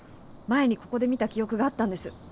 前にここで見た記憶があったんです。